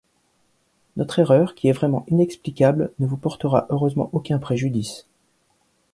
Notre erreur, qui est vraiment inexplicable, ne vous portera heureusement aucun préjudice.